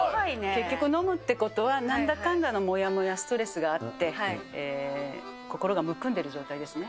結局飲むってことは、なんだかんだのもやもや、ストレスがあって、心がむくんでる状態ですね。